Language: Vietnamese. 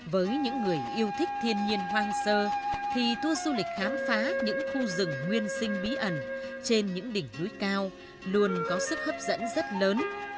với những người yêu thích thiên nhiên hoang sơ thì tour du lịch khám phá những khu rừng nguyên sinh bí ẩn trên những đỉnh núi cao luôn có sức hấp dẫn rất lớn